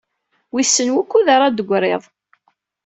Wissen wukud ara d-teggriḍ?